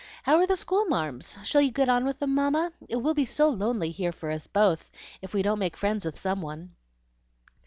How are the school marms? shall you get on with them, Mamma? It will be so lonely here for us both, if we don't make friends with some one."